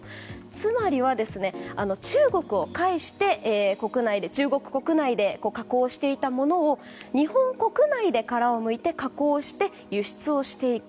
つまりは、中国を介して中国国内で加工していたものを日本国内で殻をむいて加工して輸出をしていく。